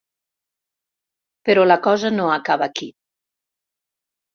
Però la cosa no acaba aquí.